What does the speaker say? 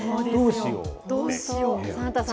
どうしよう。